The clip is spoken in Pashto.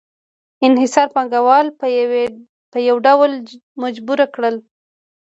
انحصار پانګوال په یو ډول مجبور کړل